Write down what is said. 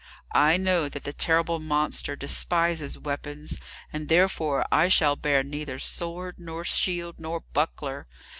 I know that the terrible monster despises weapons, and therefore I shall bear neither sword, nor shield, nor buckler.